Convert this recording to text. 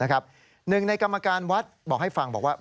หนึ่งในกรรมการวัดบอกให้ฟังบอกว่า